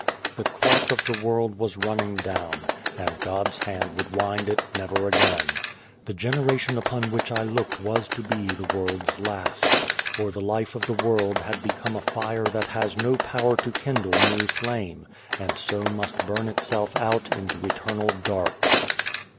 The clock of the world was running down, and God's hand would wind it never again. The generation upon which I looked was to be the world's last, for the life of the world had become a fire that has no power to kindle new flame, and so must burn itself out into eternal dark.